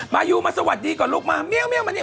มายูมาสวัสดีก่อนลูกมาเมียวมาเนี่ย